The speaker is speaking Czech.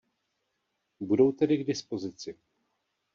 Budou tedy k dispozici.